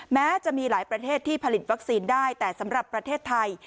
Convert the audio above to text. แม้จะมีหลายประเทศที่ผลิตวัคซีนได้แต่สำหรับประเทศไทย